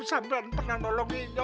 saya pernah bantu pak haji